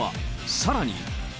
さらに。